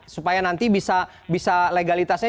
supaya nanti diperkuat kembali ke dalamnya